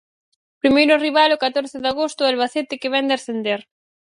Primeiro rival o catorce de agosto o Albacete que ven de ascender.